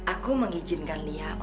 aku mengizinkan lia untuk